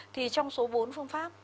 thì trong số bốn phương pháp